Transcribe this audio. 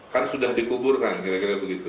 kan sudah dikuburkan kira kira begitu